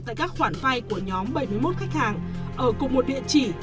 tại các khoản vay của nhóm bảy mươi một khách hàng ở cùng một địa chỉ